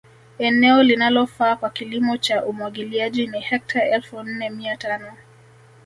Eneo linalofaa kwa kilimo cha Umwagiliaji ni hekta elfu nne mia tano